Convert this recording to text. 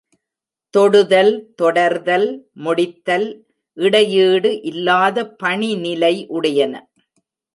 தொடுதல், தொடர்தல், முடித்தல் இடையீடு இல்லாத பணிநிலை உடையன.